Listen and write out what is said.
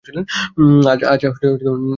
আজ না করলে হয় না?